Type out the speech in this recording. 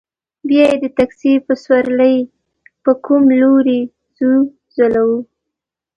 بیا یې د تکسي په سورلۍ په کوم لوري ځوځولو.